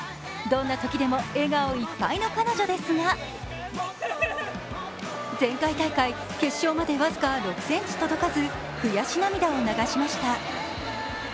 どんなときでも笑顔いっぱいの彼女ですが前回大会、決勝まで僅か６ｃｍ届かず悔し涙を流しました。